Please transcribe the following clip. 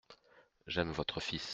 J'aime votre fils.